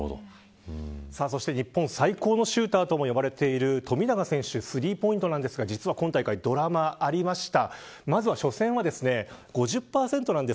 そして日本最高のシューターとも呼ばれている富永選手のスリーポイントなんですが実は今大会ドラマがありました。